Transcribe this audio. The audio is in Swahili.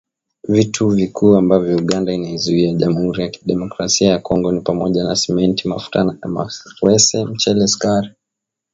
Vitu vikuu ambavyo Uganda inaiuzia Jamuhuri ya Demokrasia ya Kongo ni pamoja na Simenti mafuta ya mawese mchele sukari